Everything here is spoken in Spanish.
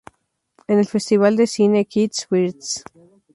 En el Festival de Cine Kids First!